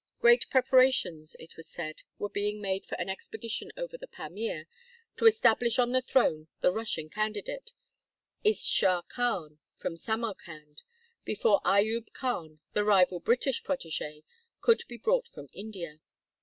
Great preparations, it was said, were being made for an expedition over the Pamir, to establish on the throne the Russian candidate, Is shah Khan from Samarkand, before Ayub Khan, the rival British protege, could be brought from India.